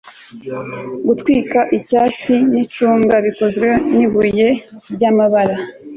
Gutwika icyatsi nicunga bikozwe nibuye ryamabara